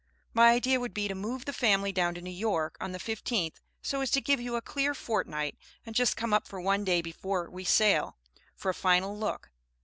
My idea would be to move the family down to New York on the 15th, so as to give you a clear fortnight, and just come up for one day before we sail, for a final look.